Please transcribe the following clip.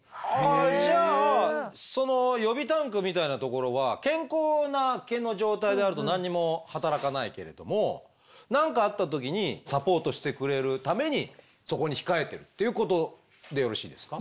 じゃあその予備タンクみたいなところは健康な毛の状態であると何にも働かないけれども何かあった時にサポートしてくれるためにそこに控えてるということでよろしいですか？